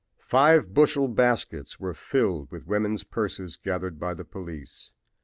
"Five bushel baskets were filled with women's purses gathered by the police.